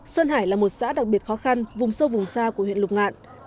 sơn hải là một xã đặc biệt khó khăn vùng sâu vùng xa của huyện lục ngạn